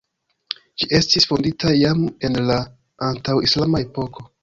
Ĝi estis fondita jam en la antaŭ-islama epoko.